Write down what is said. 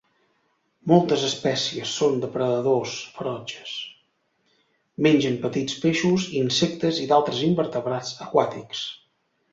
Moltes espècies són depredadors ferotges: mengen petits peixos, insectes i d'altres invertebrats aquàtics.